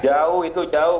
jauh itu jauh